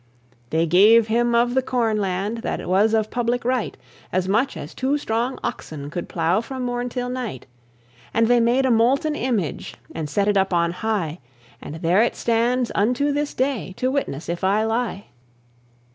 They gave him of the corn land, That was of public right. As much as two strong oxen Could plow from morn till night: And they made a molten image, And set it up on high, And there it stands unto this day To witness if I lie.